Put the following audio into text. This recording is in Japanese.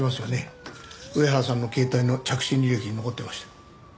上原さんの携帯の着信履歴に残ってました。